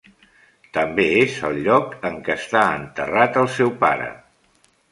També és el lloc en què està enterrat el seu pare.